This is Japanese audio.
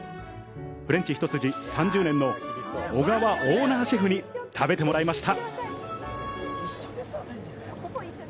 フレンチひと筋３０年の小川オーナーシェフに食べてもらいました。